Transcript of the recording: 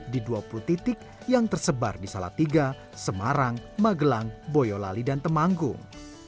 di dua puluh titik yang tersebar di salatiga semarang magelang boyolali dan temanggung